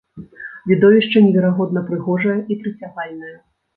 Відовішча неверагодна прыгожае і прыцягальнае.